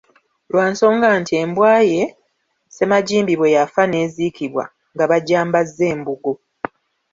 Lwa nsonga nti embwa ye ssemajimbi bwe yafa n'eziikibwa nga bagyambazza embugo.